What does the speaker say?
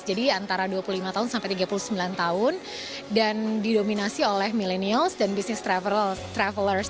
jadi antara dua puluh lima tahun sampai tiga puluh sembilan tahun dan didominasi oleh millennials dan business travelers